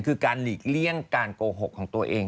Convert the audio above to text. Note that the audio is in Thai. คือการหลีกเลี่ยงการโกหกของตัวเอง